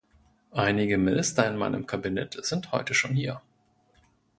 Einige Minister in meinem Kabinett sind heute schon hier.